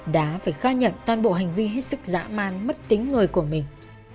đã phải khai nhận toàn bộ hành vi hết sức dã man mất tính người của mình